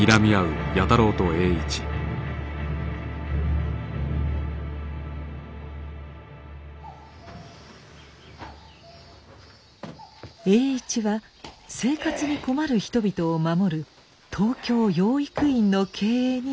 栄一は生活に困る人々を守る東京養育院の経営にも乗り出しました。